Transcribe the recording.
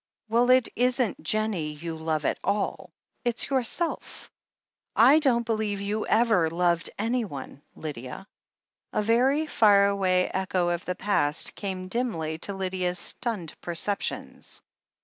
Well, it isn't Jennie you love at all — ^it's yourself. I don't be lieve you've ever loved anyone, Lydia." 414 THE HEEL OF ACHILLES A very far away echo of the past came dimly to Lydia's stunned perceptions.